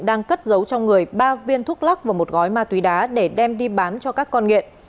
đang cất giấu trong người ba viên thuốc lắc và một gói ma túy đá để đem đi bán cho các con nghiện